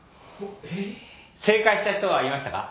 正解した人はいましたか？